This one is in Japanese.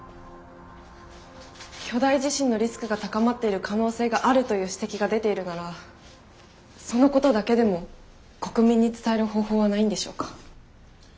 巨大地震のリスクが高まっている可能性があるという指摘が出ているならそのことだけでも国民に伝える方法はないんでしょうか？